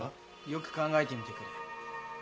よく考えてみてくれ。